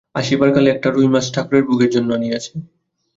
আসিবার কালে একটা রুই মাছ ঠাকুরের ভোগের জন্য আনিয়াছে।